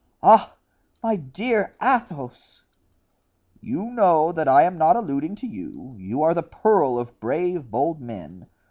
"Ah! my dear Athos!" "You know that I am not alluding to you; you are the pearl of brave, bold men.